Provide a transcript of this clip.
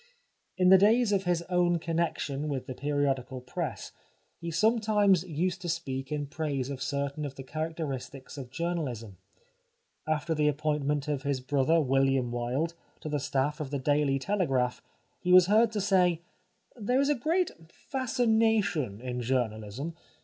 In the days of his own connection with the periodical press he sometimes used to speak in praise of certain of the characteristics of journa lism. After the appointment of his brother WilUam Wilde to the staff of The Daily Tele graph he was heard to say :" There is a great fascination in journahsm.